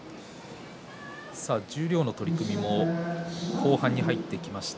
十両の取組も後半に入ってきました。